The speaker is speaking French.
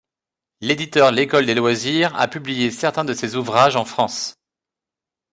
L'éditeur L'École des loisirs a publié certains de ses ouvrages en France.